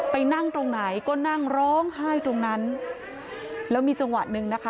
ไปนั่งตรงไหนก็นั่งร้องไห้ตรงนั้นแล้วมีจังหวะหนึ่งนะคะ